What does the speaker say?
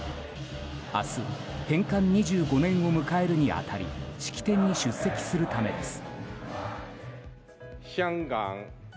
明日、返還２５年を迎えるに当たり式典に出席するためです。